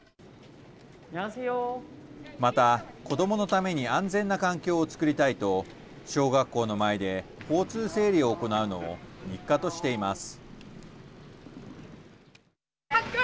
また、子どものために安全な環境をつくりたいと小学校の前で交通整理を行うのを日課としています。